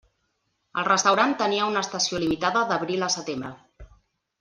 El restaurant tenia una estació limitada d'abril a setembre.